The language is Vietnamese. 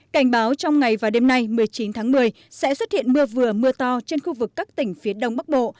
cảnh báo trong ngày và đêm nay một mươi chín tháng một mươi sẽ xuất hiện mưa vừa mưa to trên khu vực các tỉnh phía đông bắc bộ